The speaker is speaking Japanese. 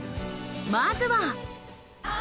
まずは。